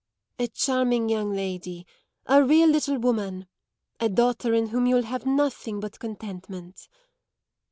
"A charming young lady a real little woman a daughter in whom you will have nothing but contentment."